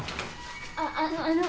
ああのあの！